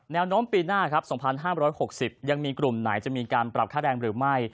แนวโน้มปีหน้าครับ๒๕๖๐ยังมีกลุ่มไหนจะมีการปรับค่าแรงหรือไม่